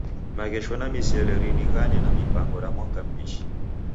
Maghesho na misele rinighane na mipango ra mwaka m'mbishi.